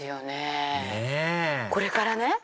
ねぇこれからね。